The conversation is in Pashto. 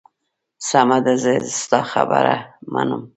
سمه ده، زه ستا خبره منم.